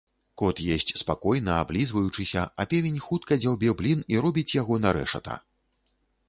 Кот есць спакойна, аблізваючыся, а певень хутка дзяўбе блін і робіць яго на рэшата.